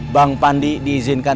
bang pandi diizinkan